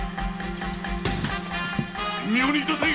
神妙に致せ！